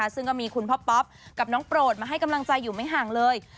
ซึ่งก็มีคุณพ่อป๊อปกับน้องโปรดมาให้กำลังใจอยู่ไม่ห่างเลย